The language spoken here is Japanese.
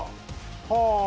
はあ。